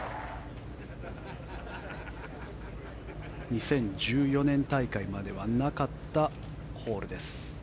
２０１４年大会まではなかったホールです。